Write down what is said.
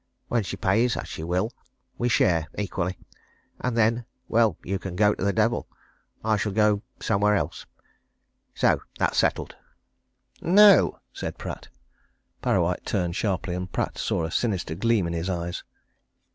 When she pays as she will! we share, equally, and then well, you can go to the devil! I shall go somewhere else. So that's settled." "No!" said Pratt. Parrawhite turned sharply, and Pratt saw a sinister gleam in his eyes.